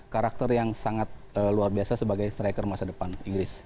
karakter yang sangat luar biasa sebagai striker masa depan inggris